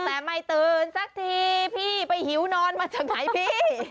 แต่ไม่ตื่นสักทีพี่ไปหิวนอนมาจากไหนพี่